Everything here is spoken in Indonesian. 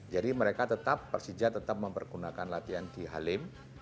jadi mereka tetap persija tetap mempergunakan latihan di halim